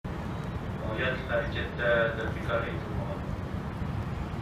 «ھاياتلىق ھەرىكەتتە» دەپ بىكار ئېيتىلمىغان.